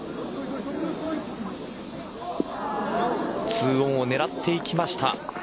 ツーオンを狙っていきました。